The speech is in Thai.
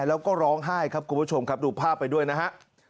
แล้วก็ร้องไห้ครับคุณผู้ชมครับดูภาพไปด้วยนะฮะ